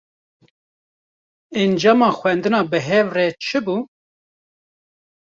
Encama xwendina bi hev re, çi bû?